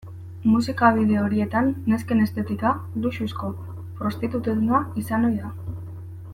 Musika bideo horietan nesken estetika luxuzko prostitutena izan ohi da.